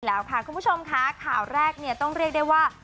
ซึ่งแล้วค่ะคุณผู้ชมคะข่าวแรกต้องเรียกได้ว่า